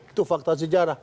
itu fakta sejarah